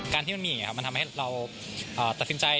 ที่มันมีอย่างนี้มันทำให้เราตัดสินใจ